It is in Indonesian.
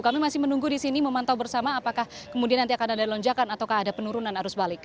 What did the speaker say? kami masih menunggu di sini memantau bersama apakah kemudian nanti akan ada lonjakan atau ada penurunan arus balik